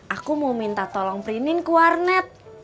aku mau minta tolong prinin ke warnet